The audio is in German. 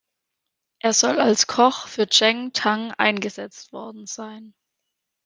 Er soll als Koch für Cheng Tang eingesetzt worden sein.